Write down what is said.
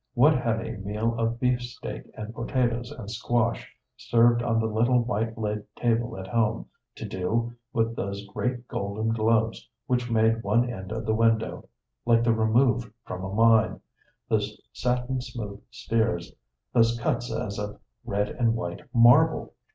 What had a meal of beefsteak and potatoes and squash served on the little white laid table at home to do with those great golden globes which made one end of the window like the remove from a mine, those satin smooth spheres, those cuts as of red and white marble?